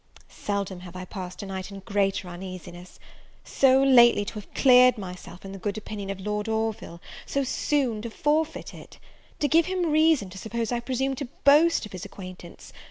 Seldom have I passed a night in greater uneasiness. So lately to have cleared myself in the good opinion of Lord Orville, so soon to forfeit it! to give him reason to suppose I presumed to boast of his acquaintance!